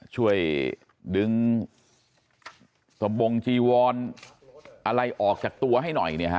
ช่วยดึงสมบงจีวรอะไรออกจากตัวให้หน่อย